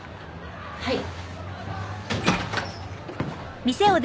はい。